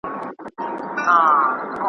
الاهو دي نازولي دي غوږونه؟ .